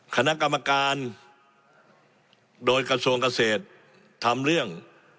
คณะกรรมการโดยกระทรวงเกษตรทำเรื่อง